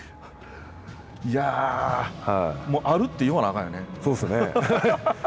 いや、あるって言わなあかんよね。